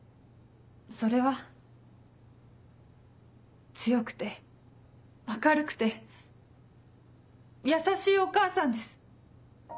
それは強くて明るくて優しいお母さんです。